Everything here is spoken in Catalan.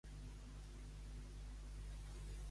Van ser descoberts per Zeus?